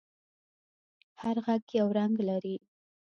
هر غږ یو رنگ لري.